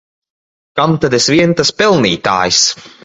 Kam tad es vien tas pelnītājs!